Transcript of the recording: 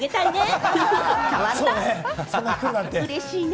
うれしいね。